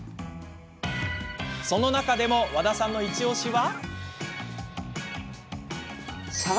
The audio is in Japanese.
その中でも和田さんのイチおしは。